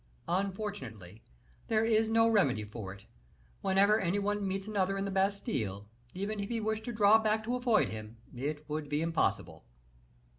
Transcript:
"Unfortunately, there is no remedy for it; whenever any one meets another in the Bastile, even if he wished to draw back to avoid him, it would be impossible."